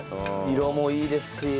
色もいいですし。